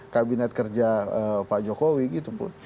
kabinet kerja pak jokowi gitu pun